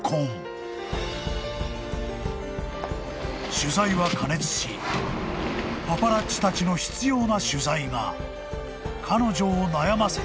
［取材は過熱しパパラッチたちの執拗な取材が彼女を悩ませた］